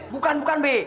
bukan bukan be